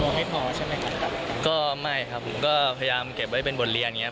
พอไม่พอใช่ไหมครับก็ไม่ครับผมก็พยายามเก็บไว้เป็นบทเรียนอย่างเงี